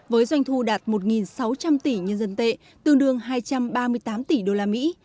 với doanh thu đạt một sáu trăm linh tỷ nhân dân tệ tương đương hai trăm ba mươi tám tỷ đô la mỹ